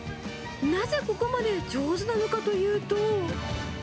なぜここまで上手なのかというと。